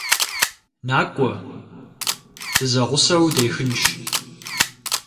НакӀуэ, дызэгъусэу дехынщ.